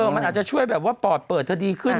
มันอาจจะช่วยแบบว่าปอดเปิดเธอดีขึ้น